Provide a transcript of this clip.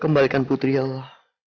kembalikan putri ya allah